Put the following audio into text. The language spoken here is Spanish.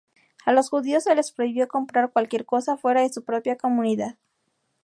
A los judíos se les prohibió comprar cualquier cosa fuera de su propia comunidad.